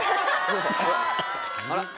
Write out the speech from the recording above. あら？